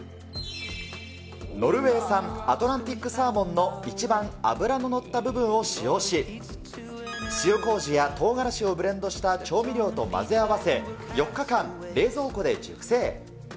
ノルウェー産アトランティックサーモンの一番脂の乗った部分を使用し、塩こうじやトウガラシをブレンドした調味料と混ぜ合わせ、４日間冷蔵庫で熟成。